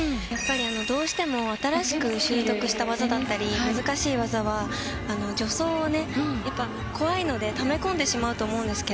どうしても新しく習得した技だったり難しい技は、助走を怖いのでため込んでしまうと思います。